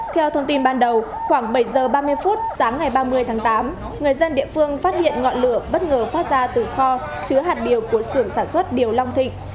theo thông tin ban đầu khoảng bảy giờ ba mươi phút sáng ngày ba mươi tháng tám người dân địa phương phát hiện ngọn lửa bất ngờ phát ra từ kho chứa hạt điều của sưởng sản xuất điều long thịnh